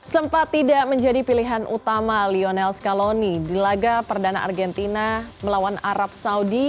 sempat tidak menjadi pilihan utama lionel scaloni di laga perdana argentina melawan arab saudi